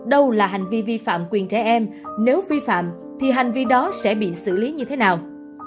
đâu là hành vi vi phạm quyền trẻ em nếu vi phạm thì hành vi đó sẽ bị xử lý như thế nào